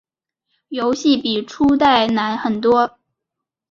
游戏比初代难很多。